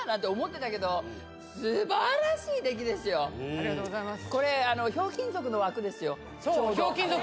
ありがとうございます。